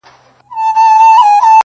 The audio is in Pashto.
o د سلگيو ږغ يې ماته را رسيږي.